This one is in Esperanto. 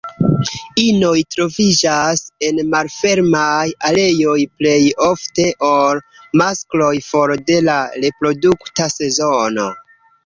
Inoj troviĝas en malfermaj areoj plej ofte ol maskloj for de la reprodukta sezono.